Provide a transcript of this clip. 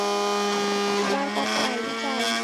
আমার কাছে কি চায়?